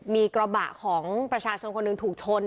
มีกระบะของประชาชนคนหนึ่งถูกชน